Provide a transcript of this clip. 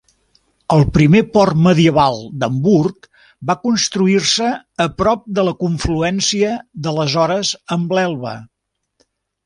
El primer port medieval d'Hamburg va construir-se a prop de la confluència d'aleshores amb l'Elba.